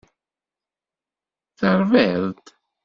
Terbiḍ-d.